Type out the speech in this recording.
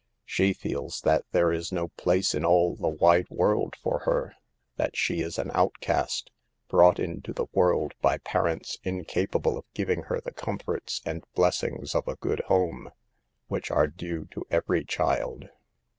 She feels that there is no place in all the wide world for her, that she is an outcast, brought into the world by parents incapable of giving her the comforts and blessings of a good home, which are due to every child.